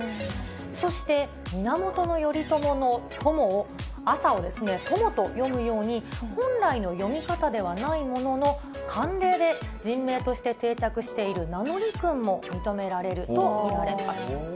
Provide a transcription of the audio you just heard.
そして、源頼朝の朝を、トモと読むように、本来の読み方ではないものの、慣例で人名として定着している名乗り訓も認められると見られます。